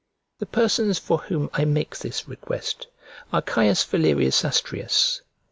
The persons for whom I make this request are C. Valerius Astraeus, C.